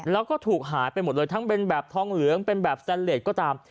แล้วก็ถูกหายไปหมดเลยทั้งเป็นแบบทองเหลืองเป็นแบบแซนเลสก็ตาม